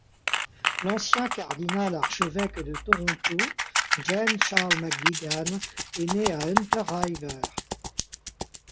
L'ancien cardinal archevêque de Toronto James Charles McGuigan est né à Hunter River.